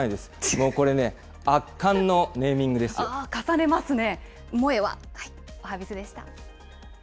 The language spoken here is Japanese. もうこれね、圧巻のネーミングで重ねますね。